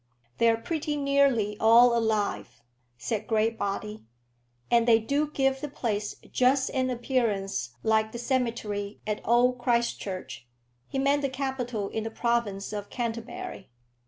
"They're pretty nearly all alive," said Graybody; "and they do give the place just an appearance like the cemetery at Old Christchurch." He meant the capital in the province of Canterbury.